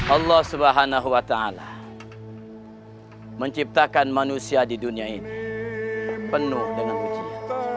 allah swt menciptakan manusia di dunia ini penuh dengan ujian